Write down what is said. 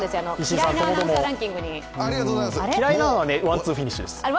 嫌いなはワン・ツーフィニッシュです。